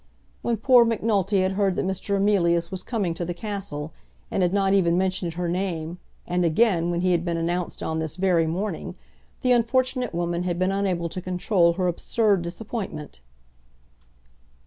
When poor Macnulty had heard that Mr. Emilius was coming to the castle, and had not even mentioned her name, and again, when he had been announced on this very morning, the unfortunate woman had been unable to control her absurd disappointment.